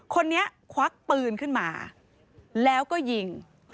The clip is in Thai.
คนนี้ควักปืนขึ้นมาแล้วก็ยิง